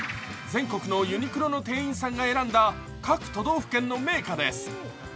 全国のユニクロの店員さんが選んだ各都道府県の銘菓です。